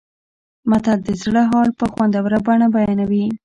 متل د زړه حال په خوندوره بڼه بیانوي